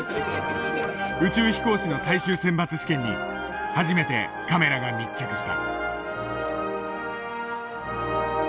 宇宙飛行士の最終選抜試験に初めてカメラが密着した。